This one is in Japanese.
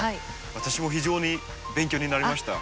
私も非常に勉強になりました。